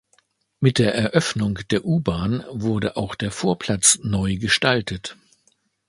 Mit der Eröffnung der U-Bahn wurde auch der Vorplatz neu gestaltet.